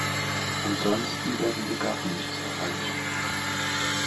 Ansonsten werden wir gar nichts erreichen.